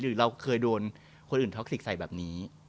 หรือเราเคยโดนคนอื่นท็อกสิกใส่แบบนี้